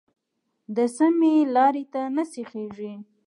د سمې لارې ته نه سیخېږي.